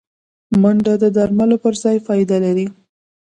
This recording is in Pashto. منډه د درملو پر ځای فایده لري